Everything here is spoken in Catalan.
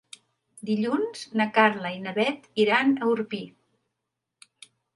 Dilluns na Carla i na Bet iran a Orpí.